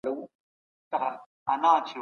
د پوهنځي خاطرې مې په خپله کتابچه کي ولیکلې.